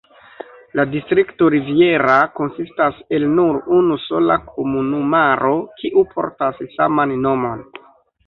La distrikto Riviera konsistas el nur unu sola komunumaro, kiu portas saman nomon.